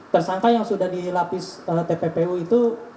tersangka yang sudah dilapis oleh tppu itu